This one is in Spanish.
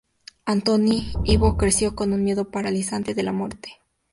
Anthony Ivo creció con un miedo paralizante de la muerte.